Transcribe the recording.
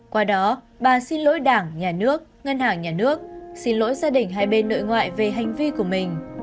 qua đó bà xin lỗi đảng nhà nước ngân hàng nhà nước xin lỗi gia đình hai bên nội ngoại về hành vi của mình